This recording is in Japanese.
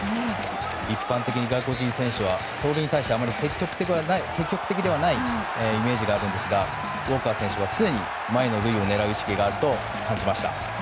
一般的に外国人選手は走塁にあまり積極的でないイメージがあるんですがウォーカー選手は常に前の塁を狙う意識があると感じました。